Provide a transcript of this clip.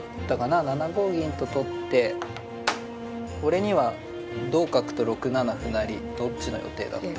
７五銀と取ってこれには同角と６七歩成どっちの予定だった？